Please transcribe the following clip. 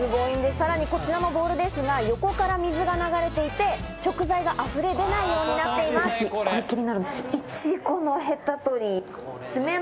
さらにこちらのボウルですが、横から水が流れていて、食材が溢れ出ないようになっているんです。